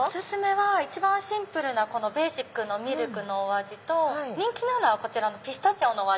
一番シンプルなベーシックのミルクのお味と人気なのはピスタチオのお味。